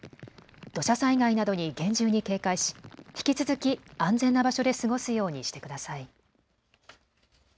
土砂災害などに厳重に警戒し引き続き安全な場所で過ごすようにしてください。